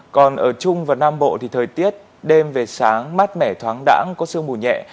còn ở trung và nam bộ thì thời tiết đêm về sáng mát mẻ thoáng đẳng có sương mù nhẹ